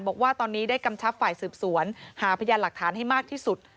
บอกว่าตอนนี้ได้กำชับฝ่ายสืบสวนหาพยานหลักฐานให้มากที่สุด